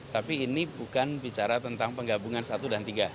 tapi ini bukan bicara tentang penggabungan satu dan tiga